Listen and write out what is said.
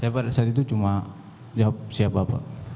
saya pada saat itu cuma jawab siapa apa